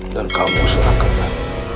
dan kamu serahkan